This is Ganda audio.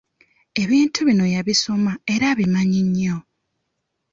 Ebintu bino yabisoma era abimanyi nnyo.